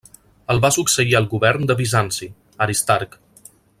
El va succeir al govern de Bizanci, Aristarc.